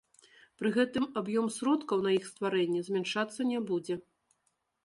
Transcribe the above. Пры гэтым аб'ём сродкаў на іх стварэнне змяншацца не будзе.